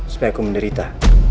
supaya aku menderita